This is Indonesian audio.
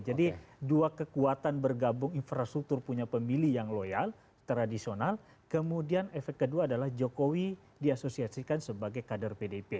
jadi dua kekuatan bergabung infrastruktur punya pemilih yang loyal tradisional kemudian efek kedua adalah jokowi diasosiasikan sebagai kader pdip